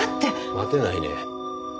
待てないね。